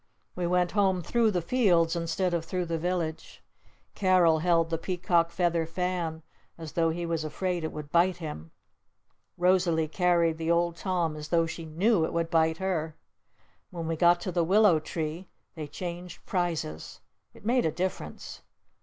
We went home through the fields instead of through the village. Carol held the Peacock Feather Fan as though he was afraid it would bite him. Rosalee carried the Old Tom as though she knew it would bite her. When we got to the Willow Tree they changed prizes. It made a difference.